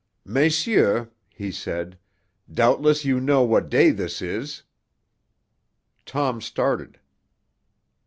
"Messieurs," he said, "doubtless you know what day this is?" Tom started.